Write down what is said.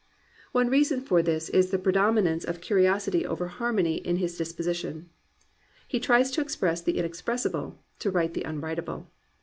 One reason for this is the predominance of 262 GLORY OF THE IMPERFECT" curiosity over harmony in his disposition. He tries to express the inexpressible, to write the unwrit able.